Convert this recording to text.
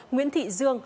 nguyễn thị dương